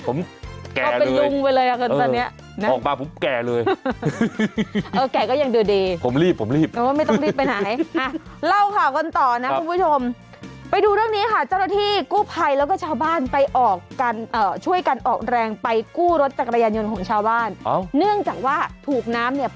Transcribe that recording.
ผมแก่เลยออกมาผมแก่เลยเนี่ย